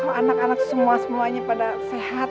oh anak anak semua semuanya pada sehat